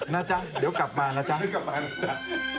นะจ๊ะเดี๋ยวกลับมานะจ๊ะกลับมานะจ๊ะ